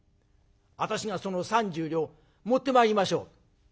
私がその３０両持ってまいりましょう」。